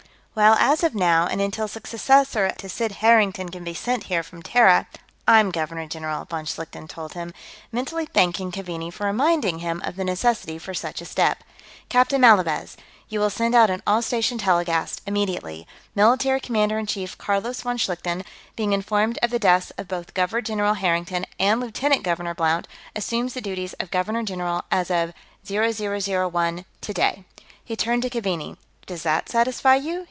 "Well, as of now, and until a successor to Sid Harrington can be sent here from Terra, I'm Governor General," von Schlichten told him, mentally thanking Keaveney for reminding him of the necessity for such a step. "Captain Malavez! You will send out an all station telecast, immediately: Military Commander in Chief Carlos von Schlichten, being informed of the deaths of both Governor General Harrington and Lieutenant Governor Blount, assumes the duties of Governor General, as of 0001 today." He turned to Keaveney. "Does that satisfy you?"